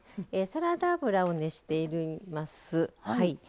サラダ油を熱しています。